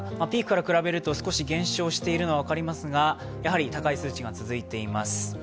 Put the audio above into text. ピークから比べると少し減少しているのがわかりますがやはり高い数値が続いています。